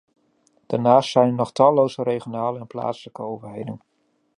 Daarnaast zijn er nog talloze regionale en plaatselijke overheden.